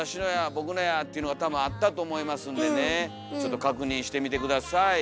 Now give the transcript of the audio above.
「僕のや」っていうのが多分あったと思いますんでねちょっと確認してみて下さい。